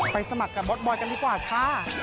สมัครกับมดบอยกันดีกว่าค่ะ